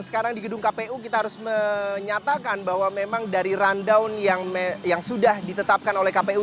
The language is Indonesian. sekarang di gedung kpu kita harus menyatakan bahwa memang dari rundown yang sudah ditetapkan oleh kpu